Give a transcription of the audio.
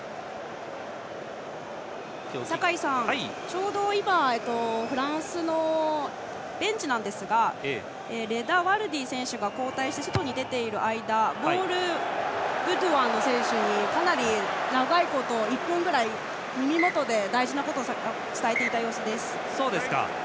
ちょうど今フランスのベンチですがレダ・ワルディ選手が交代して外に出ている間ポール・ブドゥアン選手にかなり長いこと１分くらい耳元で大事なことを伝えていた様子です。